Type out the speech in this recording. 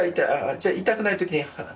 じゃあ痛くないときに。